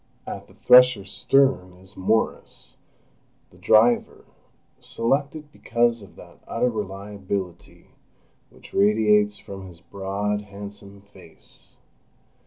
At the thresher's stern is Morris, the driver, selected because of that utter reliability which radiates from his broad, handsome face.